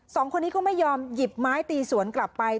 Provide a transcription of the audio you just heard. สองคนนี้ก็ไม่ยอมหยิบไม้ตีสวนกลับไป